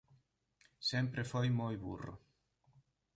_Sempre foi moi burro.